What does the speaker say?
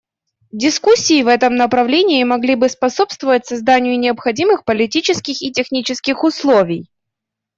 Дискуссии в этом направлении могли бы способствовать созданию необходимых политических и технических условий.